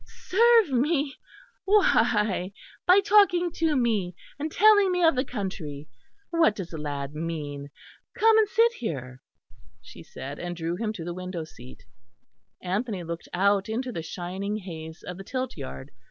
"Serve me? Why, by talking to me, and telling me of the country. What does the lad mean? Come and sit here," she said, and she drew him to the window seat. Anthony looked out into the shining haze of the tilt yard.